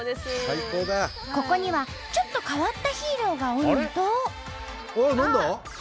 ここにはちょっと変わったヒーローがおるんと。